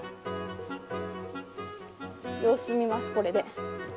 様子見ま、これで。